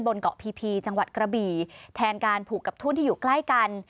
บนเกาะพีพีจังหวัดกระบี่แทนการผูกกับทุ่นที่อยู่ใกล้กัน